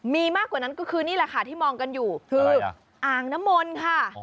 มีมากกว่านั้นก็คือนี่แหละค่ะที่มองกันอยู่คืออ่างน้ำมนต์ค่ะ